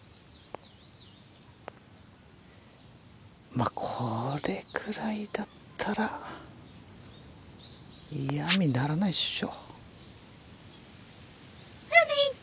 まあこれぐらいだったら嫌みにならないっしょ。